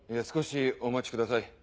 少しお待ちください